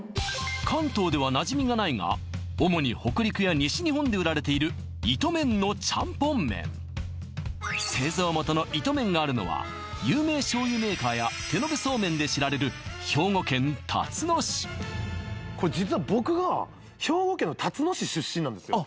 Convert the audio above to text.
関東ではなじみがないが主に北陸や西日本で売られているイトメンのチャンポンめん製造元のイトメンがあるのは有名醤油メーカーや手延べそうめんで知られる兵庫県たつの市これ実は僕が兵庫県のたつの市出身なんですよ